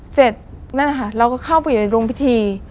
เจ็ดเราก็เข้าไปในโรงพิธี